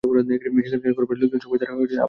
সেখানকার ঘরবাড়ি-লোকজন সবই তার আপন আদর্শে গড়া।